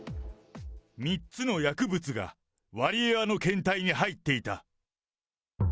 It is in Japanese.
３つの薬物がワリエワの検体に入っていた。